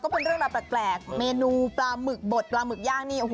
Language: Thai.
ก็เป็นเรื่องแบบแปลกเมนูปลาหมึกบดปลาหมึกย่างนี่